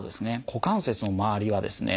股関節の周りはですね